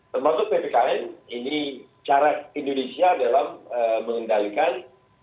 termasuk ppkm ini cara indonesia dalam mengendalikan